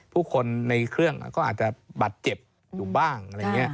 ผู้คนในเครื่องก็อาจจะบัดเจ็บอยู่บ้าง